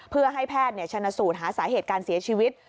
เพื่อให้แพทย์ชนสูตรหาสาเหตุการเสียชีวิต